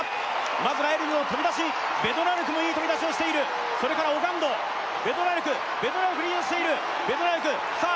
まずライルズの飛び出しベドナレクもいい飛び出しをしているそれからオガンドベドナレクベドナレクリードしているベドナレクさあ